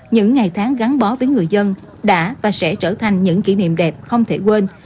những ngày tháng gắn bó với người dân đã và sẽ trở thành những kỷ niệm đẹp không thể quên